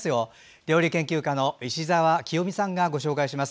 料理研究家の石澤清美さんがご紹介します。